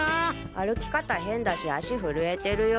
歩き方変だし足震えてるよ。